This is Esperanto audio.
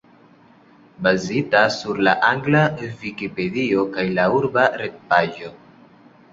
Bazita sur la angla Vikipedio kaj la urba retpaĝo.